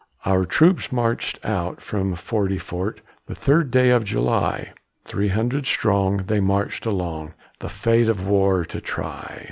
Our troops marched out from Forty Fort The third day of July, Three hundred strong, they marched along, The fate of war to try.